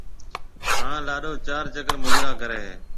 ھان لاڏو چار چڪر مُجرا ڪرَي ھيََََ